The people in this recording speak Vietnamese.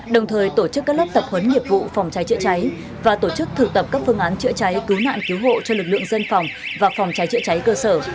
đồng thời tổ chức các lớp tập huấn nghiệp vụ phòng cháy chữa cháy và tổ chức thực tập các phương án chữa cháy cứu nạn cứu hộ cho lực lượng dân phòng và phòng cháy chữa cháy cơ sở